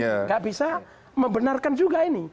tidak bisa membenarkan juga ini